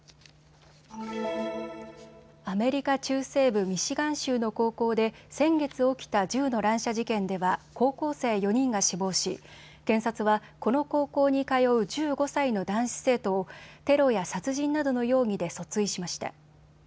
アメリカ中西部ミシガン州の高校で先月起きた銃の乱射事件では高校生４人が死亡し、検察は、この高校に通う１５歳の男子生徒をテロや殺人などの容疑で訴追しました。